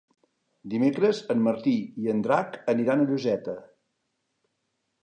Dimecres en Martí i en Drac aniran a Lloseta.